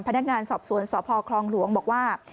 พนักงานสอบสวนสพคลองหลวงบอกว่า